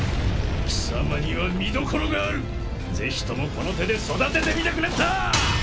貴様には見どころがあるぜひともこの手で育ててみたくなった！